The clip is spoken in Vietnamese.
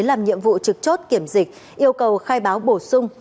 làm nhiệm vụ trực chốt kiểm dịch yêu cầu khai báo bổ sung